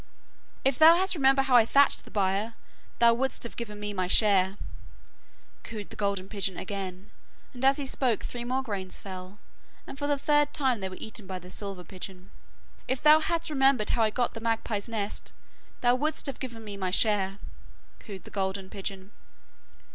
'If thou hadst remembered how I thatched the byre, thou wouldst have given me my share,' cooed the golden pigeon again; and as he spoke three more grains fell, and for the third time they were eaten by the silver pigeon. 'If thou hadst remembered how I got the magpie's nest, thou wouldst have given me my share,' cooed the golden pigeon.